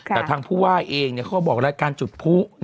แต่ทางผู้ว่าเองเขาก็บอกรายการจุดผู้